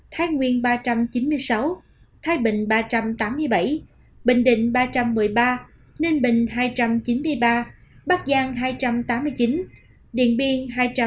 thái nguyên ba trăm chín mươi sáu thái bình ba trăm tám mươi bảy bình định ba trăm một mươi ba ninh bình hai trăm chín mươi ba bắc giang hai trăm tám mươi chín điện biên hai trăm ba mươi chín